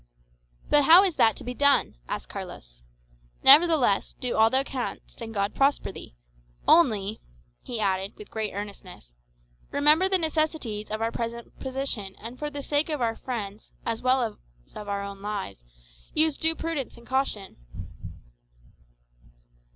"But how is that to be done?" asked Carlos. "Nevertheless, do all thou canst, and God prosper thee. Only," he added with great earnestness, "remember the necessities of our present position; and for the sake of our friends, as well as of our own lives, use due prudence and caution."